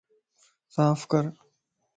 صاف ڪر